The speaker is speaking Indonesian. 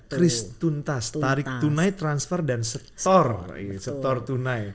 kris tuntas tarik tunai transfer dan setor tunai